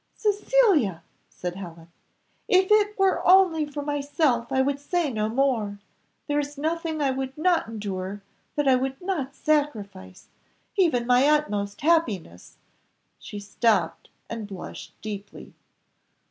"Cecilia!" said Helen, "if it were only for myself I would say no more; there is nothing I would not endure that I would not sacrifice even my utmost happiness." She stopped, and blushed deeply.